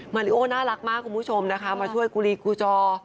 ริโอน่ารักมากคุณผู้ชมนะคะมาช่วยกูลีกูจอ